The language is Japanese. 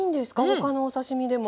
他のお刺身でも。